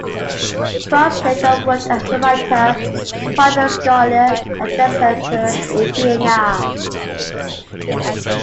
Krauss lived and worked as a writer, private scholar, and translator in Vienna.